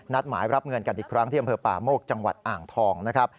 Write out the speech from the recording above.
หมายรับเงินกันอีกครั้งที่อำเภอป่าโมกจังหวัดอ่างทองนะครับ